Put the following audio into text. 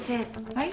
はい？